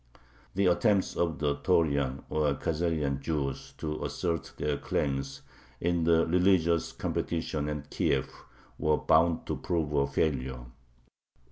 The attempts of the Taurian, or Khazarian, Jews to assert their claims in the religious competition at Kiev were bound to prove a failure.